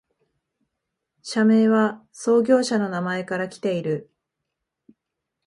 社名は創業者の名前からきている